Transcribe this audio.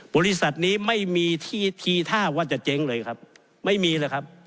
บริษัทนี้ไม่มีที่ทีท่าว่าจะเจ๊งเลยครับไม่มีเลยครับ